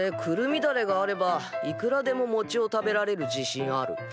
くるみだれがあればいくらでももちを食べられる自信ある。